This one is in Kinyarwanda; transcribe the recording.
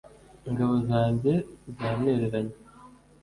ingabo zanjye zantereranye